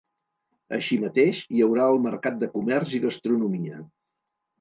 Així mateix, hi haurà el mercat de comerç i gastronomia.